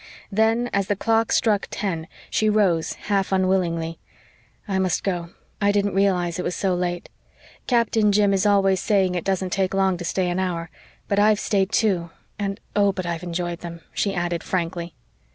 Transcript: Then, as the clock struck ten, she rose, half unwillingly. "I must go. I didn't realise it was so late. Captain Jim is always saying it doesn't take long to stay an hour. But I've stayed two and oh, but I've enjoyed them," she added frankly.